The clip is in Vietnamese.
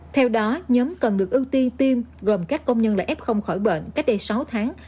theo đó nhóm cần được ưu tiên tiêm gồm các công nhân là f khỏi bệnh cách đây sáu tháng